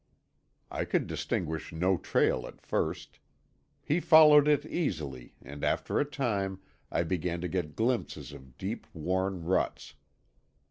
I could distinguish no trail at first. He followed it easily, and after a time I began to get glimpses of deep worn ruts.